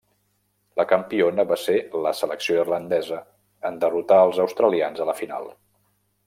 La campiona va ser la selecció irlandesa en derrotar els australians a la final.